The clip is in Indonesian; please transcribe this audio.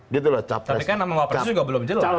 gitu loh capres tapi kan nama wapresnya juga belum jelas